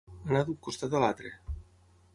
Anar d'un costat a l'altre.